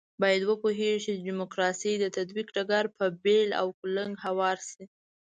باید وپوهېږو چې د ډیموکراسۍ د تطبیق ډګر په بېل او کلنګ هوار شي.